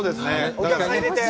お客さん入れて。